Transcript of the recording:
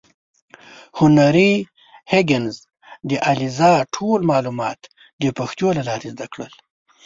هنري هیګینز د الیزا ټول معلومات د پیښو له لارې زده کړل.